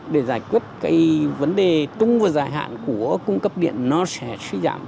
để giải quyết cái vấn đề tung vào dài hạn của cung cấp điện nó sẽ giảm